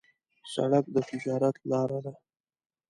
سړک د تجارت لاره ده.